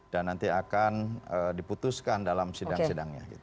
dan nanti akan diputuskan dalam sidang sidangnya gitu